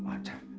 alah kurang ajar